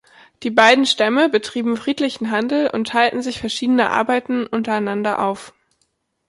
Die beiden Stämme betrieben friedlichen Handel und teilten sich verschiedene Arbeiten untereinander auf.